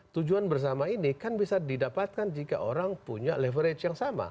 tujuan bersama ini kan bisa didapatkan jika orang punya leverage yang sama